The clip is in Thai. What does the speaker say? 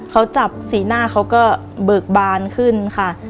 เขาจับสีหน้าเขาก็เบิกบานขึ้นค่ะ